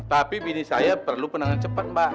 tapi bini saya perlu penanganan cepat pak